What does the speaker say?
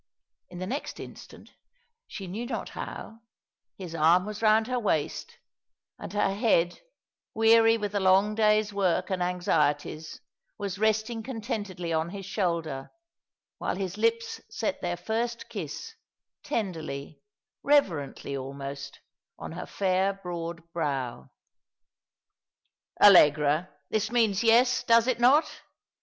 In the next instant, she knew not how, his arm was round her waist, and her head, weary with the long day's work and anxieties, was resting contentedly on his shoulder, while his lips set their first kiss, tenderly, reve rently almost, on her fair broad brow. "Allegra, this means yes, does it not?